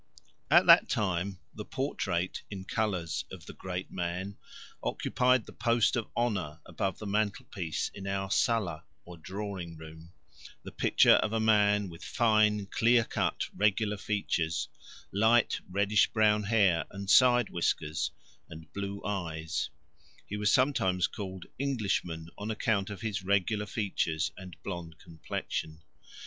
At that time the portrait, in colours, of the great man occupied the post of honour above the mantelpiece in our sala, or drawing room the picture of a man with fine clear cut regular features, light reddish brown hair and side whiskers, and blue eyes; he was sometimes called "Englishman" on account of his regular features and blonde complexion.